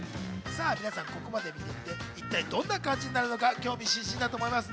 皆さん、ここまで見てきて一体どんな感じなるのか、興味津々だと思います。